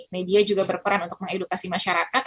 media juga berperan untuk mengedukasi masyarakat